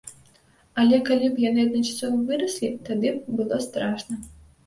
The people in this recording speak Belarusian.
Але калі б яны адначасова выраслі, тады б было страшна.